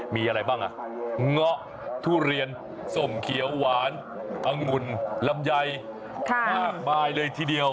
มีอะไรบ้างอ่ะเงาะทุเรียนส้มเขียวหวานองุ่นลำไยมากมายเลยทีเดียว